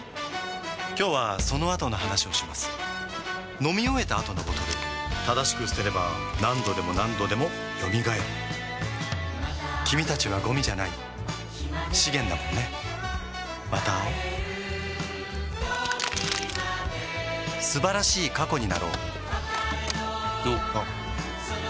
今日はそのあとの話をします飲み終えた後のボトル正しく捨てれば何度でも何度でも蘇る君たちはゴミじゃない資源だもんねまた会おう素晴らしい過去になろうおっおっ